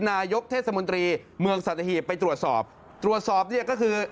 นายกเทศมนตรีเมืองสัตหีบไปตรวจสอบตรวจสอบเนี่ยก็คือ